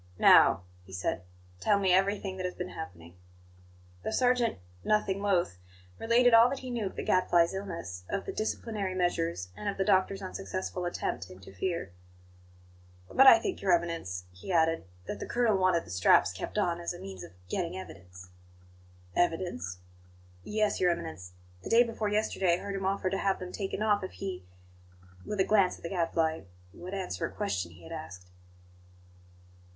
"Now," he said, "tell me everything that has been happening." The sergeant, nothing loath, related all that he knew of the Gadfly's illness, of the "disciplinary measures," and of the doctor's unsuccessful attempt to interfere. "But I think, Your Eminence," he added, "that the colonel wanted the straps kept on as a means of getting evidence." "Evidence?" "Yes, Your Eminence; the day before yesterday I heard him offer to have them taken off if he" with a glance at the Gadfly "would answer a question he had asked."